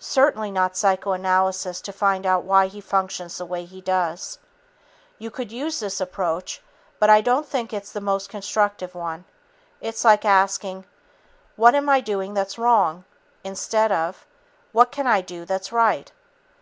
Certainly not psychoanalysis to find out why he functions the way he does. You could use this approach, but I don't think it's the most constructive one. It is like asking, "What am I doing that's wrong?" instead of "What can I do that's right?"